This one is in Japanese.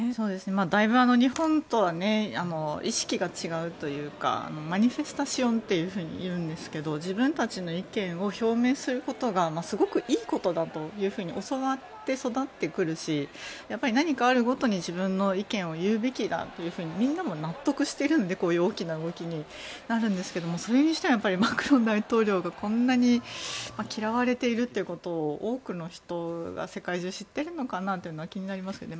だいぶ日本とは意識が違うというかマニフェスタシオンというんですけど自分たちの意見を表明することがすごくいいことだと教わって育ってくるし何かあるごとに自分の意見を言うべきだとみんなも納得しているのでこういう大きな動きになるんですがそれにしてはマクロン大統領がこんなに嫌われているということを多くの人が世界中知ってるのかなっていうのは気になりますけどね。